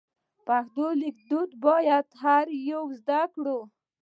پښتو لیک دود باید هر یو زده کړو.